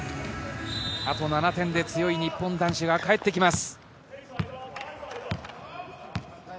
あと７点で強い日本男子が帰ってきます。